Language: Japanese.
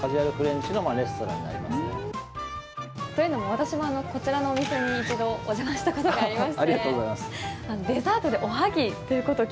私もこちらのお店に一度お邪魔したことがありまして。